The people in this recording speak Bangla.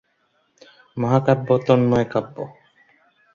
মহাকাব্য তন্ময় কাব্য।